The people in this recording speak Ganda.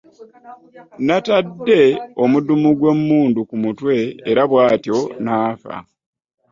Natadde omudumu gwemundu ku mutwe era bwatyo nafa .